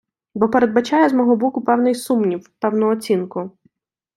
Бо передбачає з мого боку певний сумнів, певну оцінку.